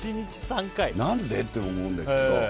何でって思うんですけど。